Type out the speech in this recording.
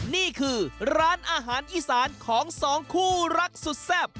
นี่คือร้านอาหารอีสานของสองคู่รักสุดแซ่บ